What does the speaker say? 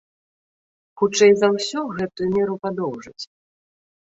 Хутчэй за ўсё, гэтую меру падоўжаць.